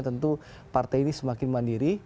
tentu partai ini semakin mandiri